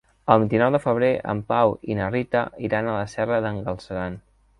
El vint-i-nou de febrer en Pau i na Rita iran a la Serra d'en Galceran.